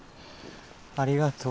ありがとう。